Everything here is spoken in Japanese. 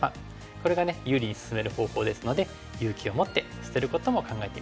これが有利に進める方法ですので勇気を持って捨てることも考えてみて下さい。